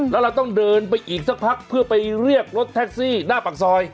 แล้วเราต้องเดินไปอีกสักพักเพื่อไปเรียกรถแท็กซี่หน้าปากซอย